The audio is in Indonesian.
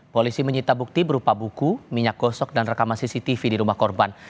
polisi menyita bukti berupa buku minyak gosok dan rekaman cctv di rumah korban